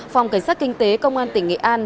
phòng cảnh sát kinh tế công an tỉnh nghệ an